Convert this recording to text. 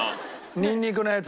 ニンニクのやつ。